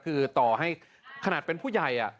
คือต่อให้ขนาดเป็นผู้ใหญ่